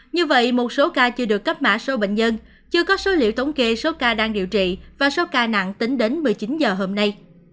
như vậy một số ca chưa được cấp mã số bệnh nhân chưa có số liệu thống kê số ca đang điều trị và số ca nặng tính đến một mươi chín giờ hôm nay